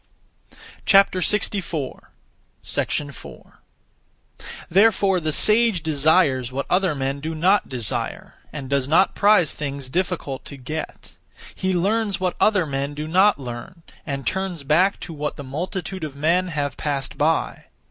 4. Therefore the sage desires what (other men) do not desire, and does not prize things difficult to get; he learns what (other men) do not learn, and turns back to what the multitude of men have passed by.